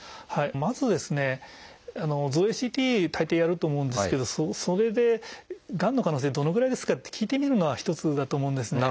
まずですね造影ＣＴ大抵やると思うんですけどそれで「がんの可能性どのぐらいですか？」と聞いてみるのは一つだと思うんですね。